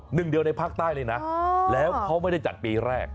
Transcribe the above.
หนึ่งเดียวในภาคใต้เลยนะแล้วเขาไม่ได้จัดปีแรก